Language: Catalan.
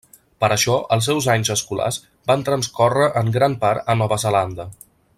Per això, els seus anys escolars van transcórrer en gran part a Nova Zelanda.